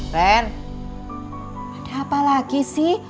ada apa lagi sih